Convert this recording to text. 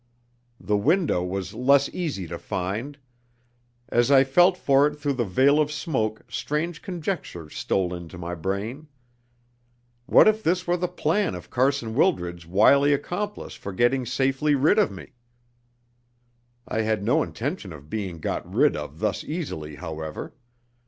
The window was less easy to find. As I felt for it through the veil of smoke strange conjectures stole into my brain. What if this were the plan of Carson Wildred's wily accomplice for getting safely rid of me? I had no intention of being got rid of thus easily, however.